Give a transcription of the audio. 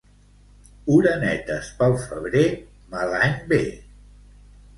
Orenetes pel febrer, mal any ve.